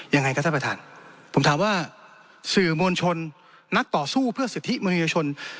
ยังไงครับท่านประธานผมถามว่าสื่อมวลชนนักต่อสู้เพื่อสิทธิมนุษยชน